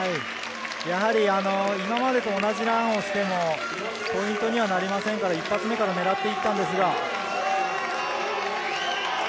やはり今までと同じランをしてもポイントにはなりませんので、一発目から狙っていったんですが。